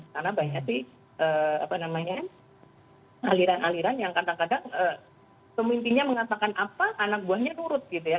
karena banyak sih aliran aliran yang kadang kadang pemimpinnya mengatakan apa anak buahnya nurut gitu ya